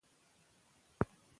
نورې څېړنې په دې برخه کې روانې دي.